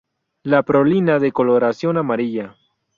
La prolina da coloración amarilla.